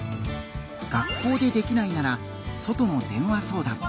学校でできないなら外の電話相談。